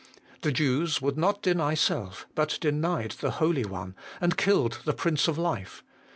The Jews would not deny self, but 'denied the Holy One, and killed the Prince of Life.'